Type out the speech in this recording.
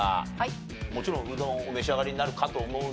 もちろんうどんお召し上がりになるかと思うんですが。